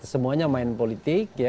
semuanya main politik